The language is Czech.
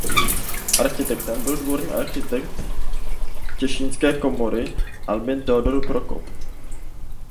Architektem byl dvorní architekt těšínské komory Albin Theodor Prokop.